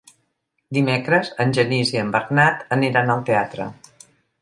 Dimecres en Genís i en Bernat aniran al teatre.